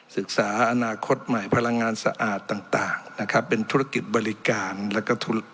ศึกษาอนาคตใหม่พลังงานสะอาดต่างนะครับเป็นธุรกิจบริการแล้วก็ทุน